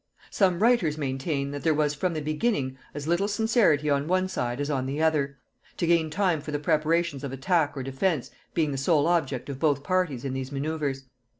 Some writers maintain, that there was, from the beginning, as little sincerity on one side as on the other; to gain time for the preparations of attack or defence, being the sole object of both parties in these manoeuvres.